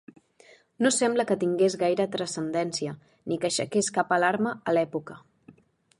No sembla que tingués gaire transcendència ni que aixequés cap alarma a l'època.